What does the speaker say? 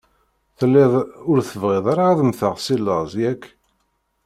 Telliḍ ur tebɣiḍ ara ad mmteɣ si laẓ, yak?